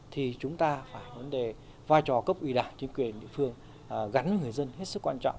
thì chúng ta phải vấn đề vai trò cấp ủy đảng chính quyền địa phương gắn với người dân hết sức quan trọng